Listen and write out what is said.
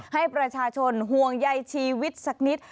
ให้ประชาชนห่วงใยชีวิตสักนิด